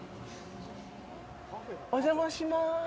お邪魔しまーす。